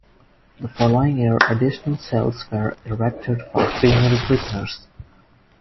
The following year additional cells were erected for female prisoners.